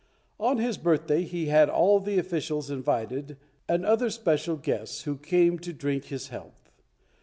On his birthday he had all the officials invited and other special guests, who came to drink his health.